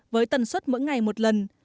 với tần suất mỗi ngày một lần